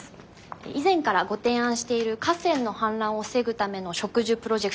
以前からご提案している河川の氾濫を防ぐための植樹プロジェクトについてです。